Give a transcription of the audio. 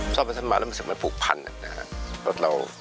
ซ่อมมาซ่อมมาแล้วรู้สึกมันผูกพันธุ์นะครับ